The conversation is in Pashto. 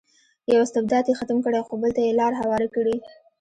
یو استبداد یې ختم کړی خو بل ته یې لار هواره کړې.